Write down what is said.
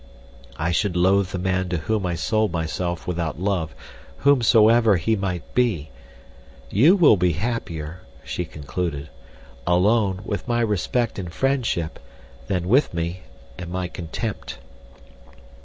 I should loathe the man to whom I sold myself without love, whomsoever he might be. You will be happier," she concluded, "alone—with my respect and friendship, than with me and my contempt."